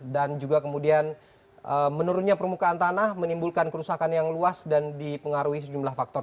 dan juga kemudian menurunnya permukaan tanah menimbulkan kerusakan yang luas dan dipengaruhi sejumlah faktor